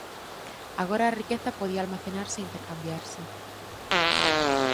Agora a riqueza podía almacenarse e intercambiarse.